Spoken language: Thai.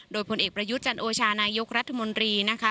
โดยผลเอกประยุทธ์จันโอชานายกรัฐมนตรีนะคะ